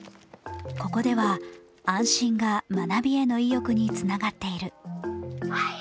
ここでは「安心」が「学び」への意欲につながっている。